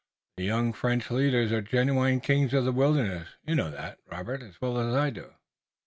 The young French leaders are genuine kings of the wilderness. You know that, Robert, as well as I do."